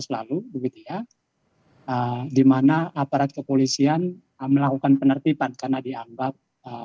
dua ribu sembilan belas lalu di mana aparat kepolisian melakukan penertiban karena diambil